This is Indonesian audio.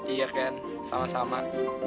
iya ken sama sama